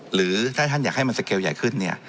หรือถ้าท่านอยากให้มันสเกลใหญ่ขึ้นเนี่ย